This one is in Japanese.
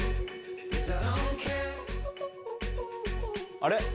あれ？